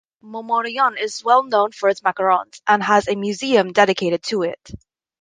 Montmorillon is well known for its macarons, and has a museum dedicated to it.